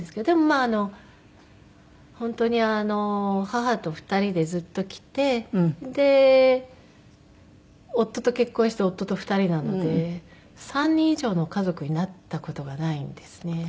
でもまあ本当に母と２人でずっときてで夫と結婚して夫と２人なので３人以上の家族になった事がないんですね。